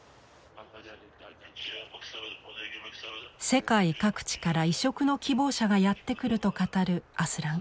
世界各地から移植の希望者がやって来ると語るアスラン。